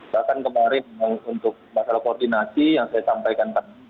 bahkan kemarin untuk masalah koordinasi yang saya sampaikan tadi